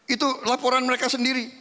itu laporan mereka sendiri